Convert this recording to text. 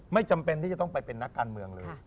ไม่จำเป็นที่จะต้องไปเป็นนักการเมืองเลย